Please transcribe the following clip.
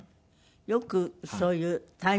よくそういうタイミングが。